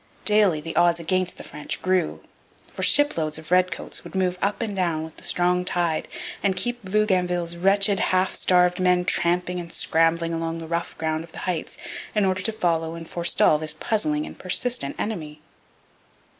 Daily the odds against the French grew; for shiploads of redcoats would move up and down with the strong tide and keep Bougainville's wretched, half starved men tramping and scrambling along the rough ground of the heights in order to follow and forestall this puzzling and persistent enemy.